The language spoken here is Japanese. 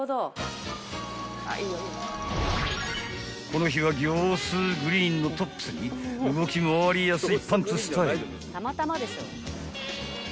［この日は業スーグリーンのトップスに動き回りやすいパンツスタイル］